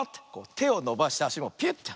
てをのばしてあしもピュッて。